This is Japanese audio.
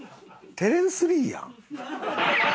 テレンス・リーやん。